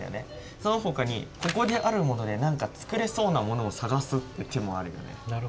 そのほかにここであるもので何か作れそうなものを探すっていう手もあるよね。